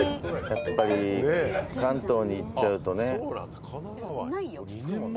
やっぱり関東に行っちゃうとね。